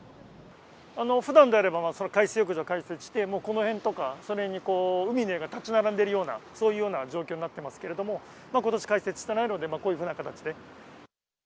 ふだんであれば、海水浴場開設して、この辺とかその辺に海の家が建ち並んでいるような、そういうような状況になってますけれども、ことし開設してないので、こういうふうな形で。